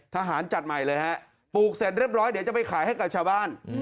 ทหารจัดใหม่เลยฮะปลูกเสร็จเรียบร้อยเดี๋ยวจะไปขายให้กับชาวบ้าน